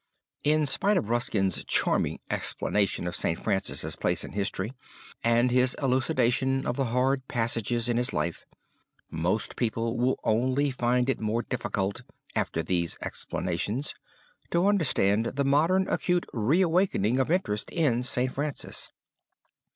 PISANO) In spite of Ruskin's charming explanation of St. Francis' place in history, and his elucidation of the hard passages in his life, most people will only find it more difficult, after these explanations, to understand the modern acute reawakening of interest in St. Francis.